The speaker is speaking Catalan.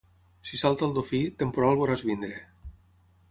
Si salta el dofí, temporal veuràs venir.